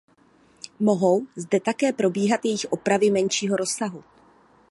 Mohou zde také probíhat jejich opravy menšího rozsahu.